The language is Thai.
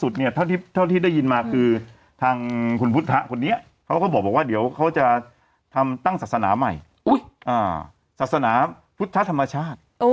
ทางคุณพุทธภัณฑ์คนนี้เขาก็บอกว่าเดี๋ยวเขาจะตั้งศาสนาใหม่ศาสนาพุทธธรรมชาติ